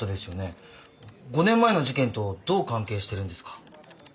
５年前の事件とどう関係してるんですか？